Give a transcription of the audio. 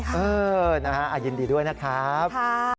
ใช่ครับนะฮะยินดีด้วยนะครับครับ